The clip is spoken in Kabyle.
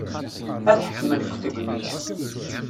Ad ḥekmen deg tegnit.